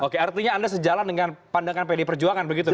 oke artinya anda sejalan dengan pandangan pd perjuangan begitu